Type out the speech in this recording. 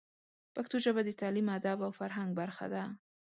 پښتو ژبه د تعلیم، ادب او فرهنګ برخه ده.